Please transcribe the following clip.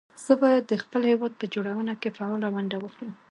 زه بايد د خپل هېواد په جوړونه کې فعاله ونډه واخلم